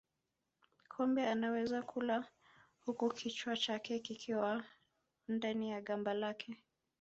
Kobe anaweza kula huku kichwa chake kikiwa ndani ya gamba lake